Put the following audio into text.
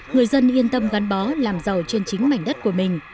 người dân yên tâm gắn bó làm giàu trên chính mảnh đất của mình